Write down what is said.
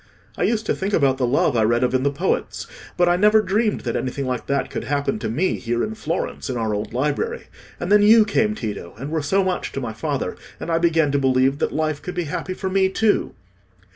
I used to think about the love I read of in the poets, but I never dreamed that anything like that could happen to me here in Florence in our old library. And then you came, Tito, and were so much to my father, and I began to believe that life could be happy for me too."